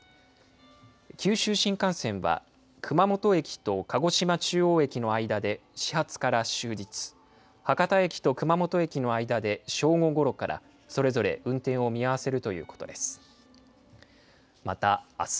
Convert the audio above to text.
九州新幹線は、熊本駅と鹿児島中央駅の間で始発から終日、博多駅と熊本駅の間で正午ごろからそれぞれ運転を見合わせるということです。